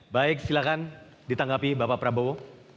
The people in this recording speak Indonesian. baik silakan ditanggapi bapak prabowo